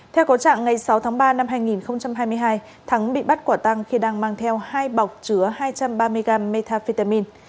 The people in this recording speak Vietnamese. theo có trạng ngày sáu tháng ba năm hai nghìn hai mươi hai thắng bị bắt quả tăng khi đang mang theo hai bọc chứa hai trăm ba mươi gram metafetamin